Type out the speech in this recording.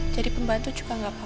jadi pembantu juga nggak apa apa